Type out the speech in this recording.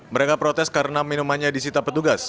mereka protes karena minumannya disita petugas